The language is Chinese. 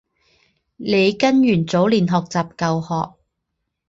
李根源早年学习旧学。